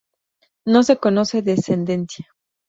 No se conoce descendencia.